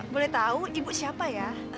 boleh tahu ibu siapa ya